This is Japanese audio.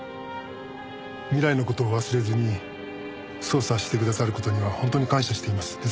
未来の事を忘れずに捜査してくださる事には本当に感謝しています。